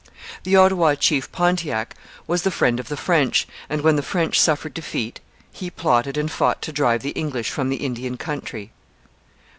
The Ottawa chief Pontiac was the friend of the French, and, when the French suffered defeat, he plotted and fought to drive the English from the Indian country.